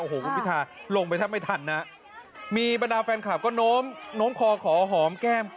โอ้โหคุณพิธาลงไปแทบไม่ทันนะมีบรรดาแฟนคลับก็โน้มคอขอหอมแก้ม